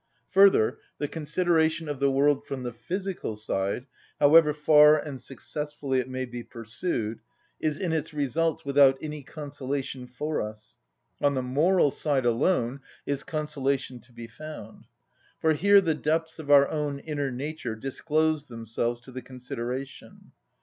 Further, the consideration of the world from the physical side, however far and successfully it may be pursued, is in its results without any consolation for us: on the moral side alone is consolation to be found; for here the depths of our own inner nature disclose themselves to the consideration.